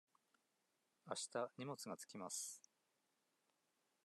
あした荷物が着きます。